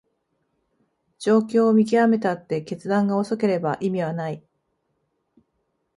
状況を見極めたって決断が遅ければ意味はない